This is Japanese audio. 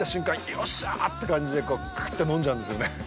よっしゃーって感じでクーっと飲んじゃうんですよね。